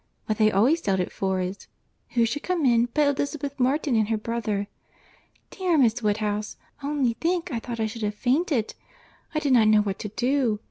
—but they always dealt at Ford's—who should come in, but Elizabeth Martin and her brother!—Dear Miss Woodhouse! only think. I thought I should have fainted. I did not know what to do.